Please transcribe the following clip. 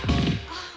あっ。